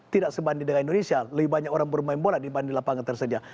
tidak sebanding dengan indonesia lebih banyak orang bermain bola dibanding lapangan tersedia